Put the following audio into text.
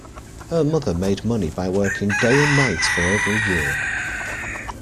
Her mother made money by working day and night for over a year